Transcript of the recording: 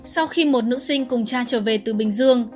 sau khi một nữ sinh cùng cha trở về từ bình dương